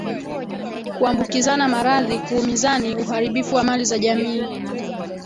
Kuambukizana maradhi Kuumizani Uharibifu wa mali za jamii